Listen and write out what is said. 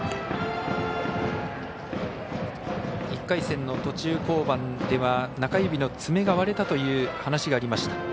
１回戦の途中降板では中指の爪が割れたという話がありました。